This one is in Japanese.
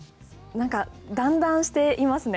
だんだんしていますね。